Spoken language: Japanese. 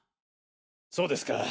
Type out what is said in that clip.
そうですか。